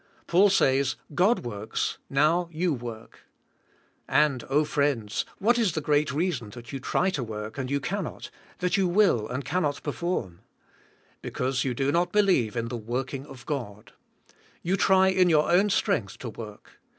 Paul says, God works, now you work. And, oh friends, what is the g reat reason that you try to work and you cannot, that you will and cannot perform? Because you do not believe in the working of God. You try in your own streng'th to work.